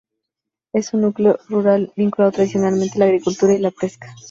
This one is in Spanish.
Es un núcleo rural vinculado tradicionalmente a la agricultura y la pesca.